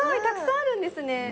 たくさんあるんですね。